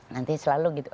nanti selalu gitu